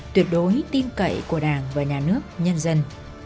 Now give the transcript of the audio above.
tuyệt đối tin cậy của đảng và nhà nước nhân dân